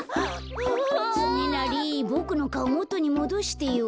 つねなりボクのかおもとにもどしてよ。